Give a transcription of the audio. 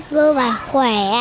vô bài khỏe